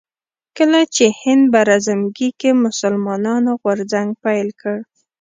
کله چې هند براعظمګي کې مسلمانانو غورځنګ پيل کړ